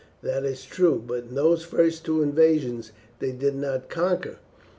"That is true; but in those first two invasions they did not conquer.